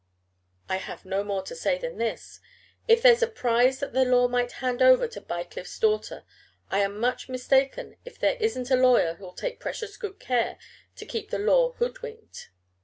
"I have no more to say than this: if there's a prize that the law might hand over to Bycliffe's daughter, I am much mistaken if there isn't a lawyer who'll take precious good care to keep the law hoodwinked.